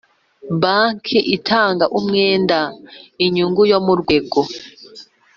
Banki itanga umwenda inyungu yo mu rwego